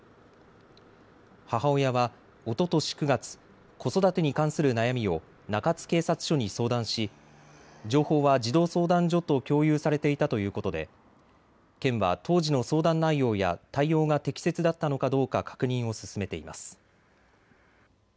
母親はおととし９月、子育てに関する悩みを中津警察署に相談し情報は児童相談所と共有されていたということで県は当時の相談内容や対応が適切だったのかどうか確認を進めています。